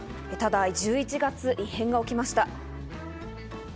ただ１１月、異変が起きました。